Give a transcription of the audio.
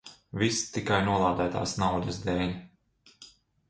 Viss tikai nolādētās naudas dēļ.